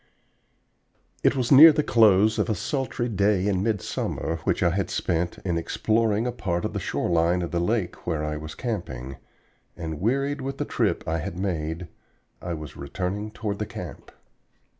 IT was near the close of a sultry day in midsummer, which I had spent in exploring a part of the shore line of the lake where I was camping, and wearied with the trip I had made, I was returning toward the camp.